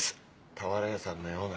俵屋さんのような。